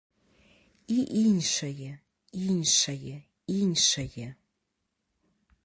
І іншае, іншае, іншае.